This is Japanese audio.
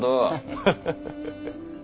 ハハハハハ。